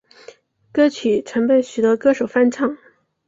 歌曲曾被许多歌手翻唱。